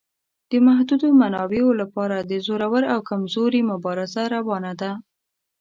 د محدودو منابعو لپاره د زورور او کمزوري مبارزه روانه ده.